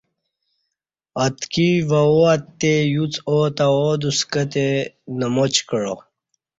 اتکی واو اتے یوڅ آو تہ آدوس کتے نماچ کعا